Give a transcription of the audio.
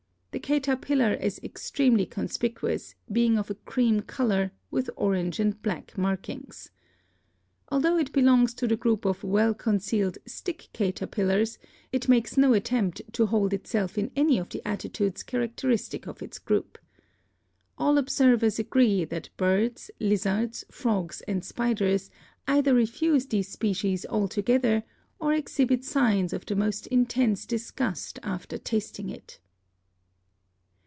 The caterpillar is ex tremely conspicuous, being of a cream color, with orange and black markings. Altho it belongs to the group of well ADAPTATION 287 concealed 'stick caterpillars/ it makes no attempt to hold itself in any of the attitudes characteristic of its group. All observers agree that birds, lizards, frogs and spiders either refuse this species altogether or exhibit signs of the most intense disgust after tasting it."